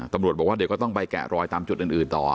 ตำรวจบอกว่าเดี๋ยวก็ต้องไปแกะรอยตามจุดอื่นต่อ